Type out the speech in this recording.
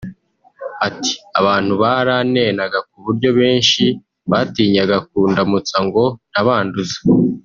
Ati “abantu baranenaga ku buryo benshi batinyaga kundamutsa ngo ntabanduza